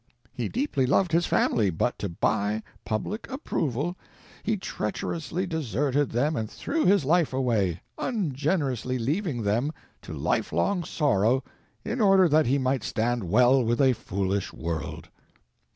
He deeply loved his family, but to buy public approval he treacherously deserted them and threw his life away, ungenerously leaving them to lifelong sorrow in order that he might stand well with a foolish world.